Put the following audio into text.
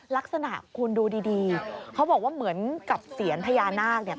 ลักษณะคุณดูดีเขาบอกว่าเหมือนกับเสียญพญานาคเนี่ย